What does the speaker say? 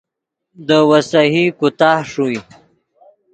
دے ویسہی کوتاہ ݰوئے